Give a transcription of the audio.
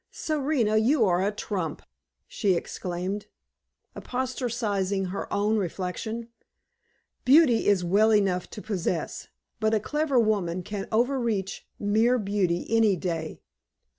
"Serena, you are a trump!" she exclaimed, apostrophizing her own reflection. "Beauty is well enough to possess, but a clever woman can overreach mere beauty any day.